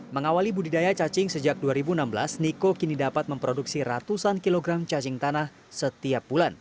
mengawali budidaya cacing sejak dua ribu enam belas niko kini dapat memproduksi ratusan kilogram cacing tanah setiap bulan